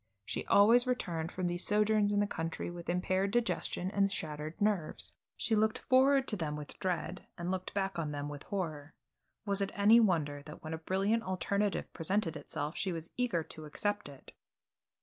She always returned from these sojourns in the country with impaired digestion, and shattered nerves. She looked forward to them with dread and looked back on them with horror. Was it any wonder that when a brilliant alternative presented itself she was eager to accept it?